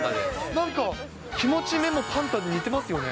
なんか気持ち、目もパンダに似てますよね。